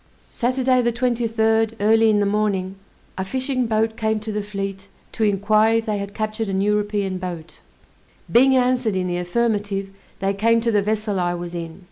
Saturday, the 23d, early in the morning, a fishing boat came to the fleet to inquire if they had captured an European boat; being answered in the affirmative, they came to the vessel I was in.